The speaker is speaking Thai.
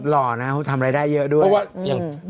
หล่อนะเขาทำอะไรได้เยอะด้วยเพราะว่าอย่างอืม